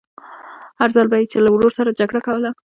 هر ځل به يې چې له ورور سره جګړه کوله.